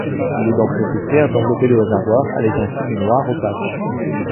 Il est donc nécessaire d'envelopper le réservoir avec un film noir opaque.